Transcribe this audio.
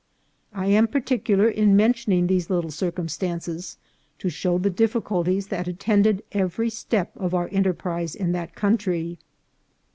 I am particular in mentioning these little circum stances, to show the difficulties that attended every step of our enterprise in that country.